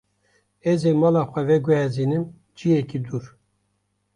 Ez ê mala xwe veguhezînim ciyekî dûr.